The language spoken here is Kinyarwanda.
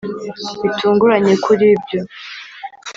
bitunguranye kuri ibyo.